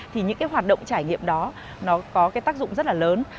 thì những cái hoạt động trải nghiệm đó nó có cái tác dụng rất là lớn